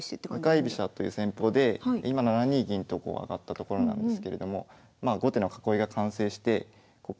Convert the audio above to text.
向かい飛車という戦法で今７二銀と上がったところなんですけれども後手の囲いが完成してこっからまあ。